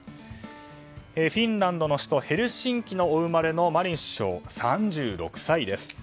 フィンランドの首都ヘルシンキお生まれのマリン首相は３６歳です。